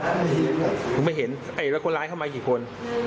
ตอนนี้ก็ไม่เห็นแล้วคนร้ายเข้ามากี่คน